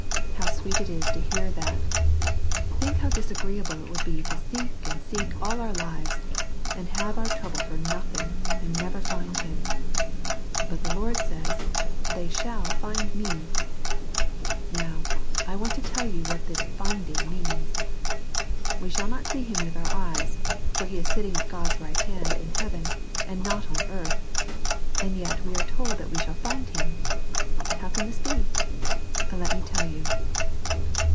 How sweet it is to hear that. Think how disagreeable it would be to seek and seek all our lives, and have our trouble for nothing, and never find Him. But the Lord says, "/>^ shall find J^." Now I want to tell you what this "finding" means. We shall not see Him with our eyes, for He is sitting at God's right hand in heaven, and not on earth, and yet we are told we shall find Him. How can this be ? Let me tell you.